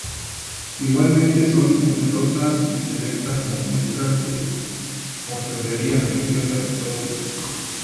Igualmente son numerosas y selectas las muestras de orfebrería religiosa de todos los estilos.